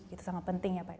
itu sangat penting ya pak